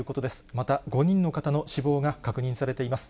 また５人の方の死亡が確認されています。